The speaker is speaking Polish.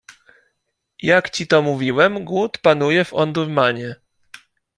Jak ci to mówiłem, głód panuje w Omdurmanie.